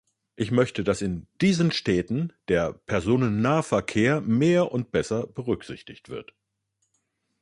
Ich möchte, dass in diesen Städten der Personennahverkehr mehr und besser berücksichtigt wird.